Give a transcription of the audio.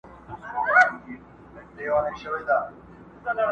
o په منډه نه ده، په ټنډه ده!